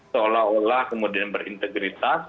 seolah olah kemudian berintegritas